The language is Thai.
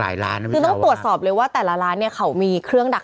อาหารไปต่อก่อสร้างเขาบอกว่า